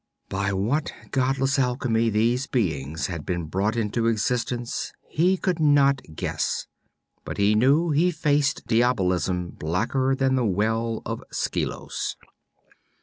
By what godless alchemy these beings had been brought into existence, he could not guess; but he knew he faced diabolism blacker than the Well of Skelos.